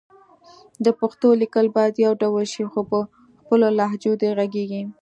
د پښتو لیکل باید يو ډول شي خو په خپلو لهجو دې غږېږي